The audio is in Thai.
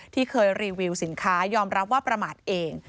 ที่เคยรีวิวสินค้ายอมรับว่าประมาทเอง